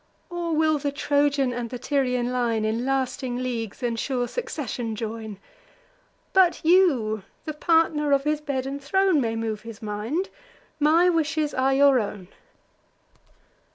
Or will the Trojan and the Tyrian line In lasting leagues and sure succession join? But you, the partner of his bed and throne, May move his mind; my wishes are your own."